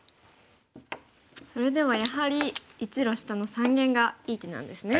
それではやはり１路下の三間がいい手なんですね。